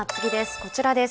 こちらです。